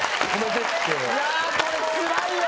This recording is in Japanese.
いやこれつらいよ。